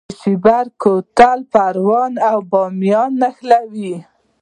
د شیبر کوتل پروان او بامیان نښلوي